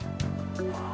ああ